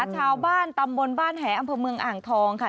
ชาวบ้านตำบลบ้านแหอำเภอเมืองอ่างทองค่ะ